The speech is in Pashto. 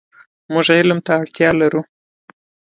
مونږ علم ته اړتیا لرو .